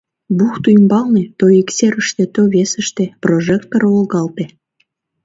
Бухто ӱмбалне то ик серыште, то весыште прожектор волгалте.